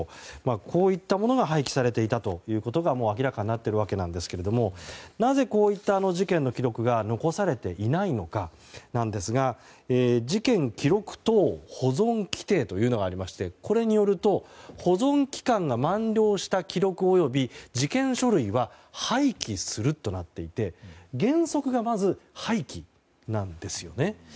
こういったものが廃棄されていたことが明らかになっているわけなんですがなぜこういった事件の記録が残されていないのかなんですが事件記録等保存規程というのがありましてこれによると保存期間が満了した記録および事件書類は廃棄するとなっていて原則が、まず廃棄なんですよね。